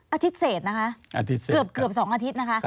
อาทิตย์เศษนะคะเกือบ๒อาทิตย์นะคะ